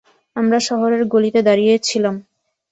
আমরা শহরের গলিতে দাড়িয়েঁছিলাম।